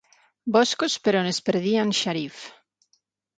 Boscos per on es perdia en Shariff.